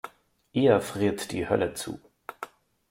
Eher friert die Hölle zu.